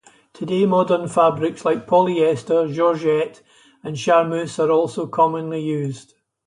Today, modern fabrics like polyester, georgette and charmeuse are also commonly used.